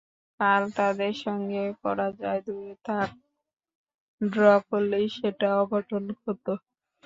কাল তাদের সঙ্গে পরাজয় দূরে থাক, ড্র করলেই সেটা অঘটন হতো।